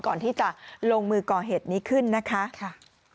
ก่อนที่จะลงมือก่อเหตุนี้ขึ้นนะคะ